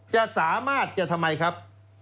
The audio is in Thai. จะสามารถจะทำไมครับ